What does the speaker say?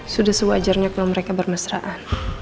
sudah sewajarnya kalau mereka bermesraan